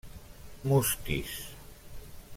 Mustis.